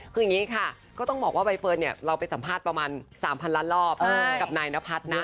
คืออย่างนี้ค่ะก็ต้องบอกว่าใบเฟิร์นเนี่ยเราไปสัมภาษณ์ประมาณ๓๐๐ล้านรอบกับนายนพัฒน์นะ